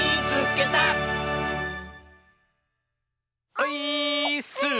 オイーッス！